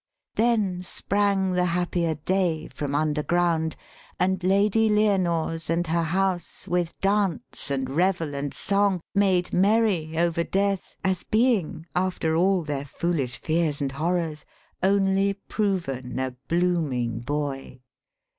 Then sprang the happier day from under ground ; And Lady Lyonors and her house, with dance And revel and song, made merry over Death, 200 EPIC POETRY As being after all their foolish fears And. horrors only proven a blooming boy.